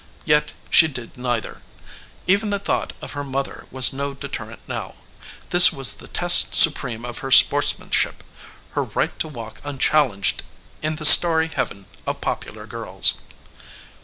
Yet she did neither. Even the thought of her mother was no deterrent now. This was the test supreme of her sportsmanship; her right to walk unchallenged in the starry heaven of popular girls.